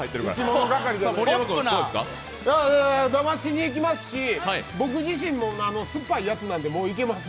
だましにいきますし僕自身も酸っぱいやつなんで、もういけます。